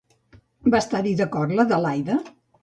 Va estar-hi d'acord, l'Adelaida?